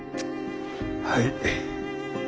はい。